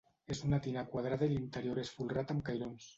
És una tina quadrada i l'interior és folrat amb cairons.